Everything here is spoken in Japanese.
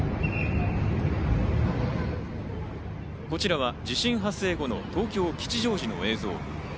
こちらは地震発生後の東京・吉祥寺の映像。